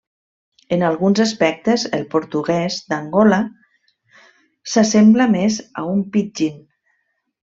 En alguns aspectes, el portuguès d'Angola s'assembla més a un pidgin.